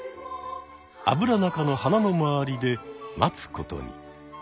アブラナ科の花の周りで待つことに。